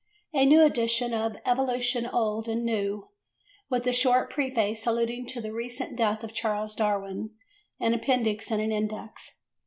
A new edition of Evolution Old and New, with a short preface alluding to the recent death of Charles Darwin, an appendix and an index.